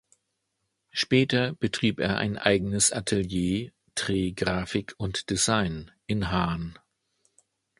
Später betrieb er ein eigenes Atelier "Tre-Grafik und Design" in Haan.